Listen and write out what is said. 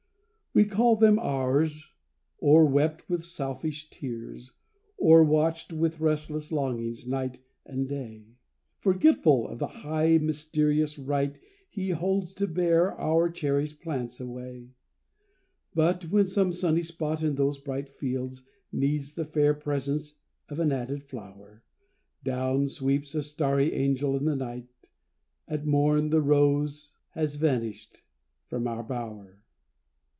We call them ours, o'erwept with selfish tears, O'erwatched with restless longings night and day; Forgetful of the high, mysterious right He holds to bear our cherished plants away. But when some sunny spot in those bright fields Needs the fair presence of an added flower, Down sweeps a starry angel in the night: At morn, the rose has vanished from our bower.